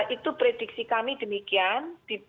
itu prediksi kami demikian